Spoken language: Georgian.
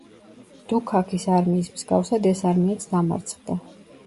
დუქაქის არმიის მსგავსად ეს არმიაც დამარცხდა.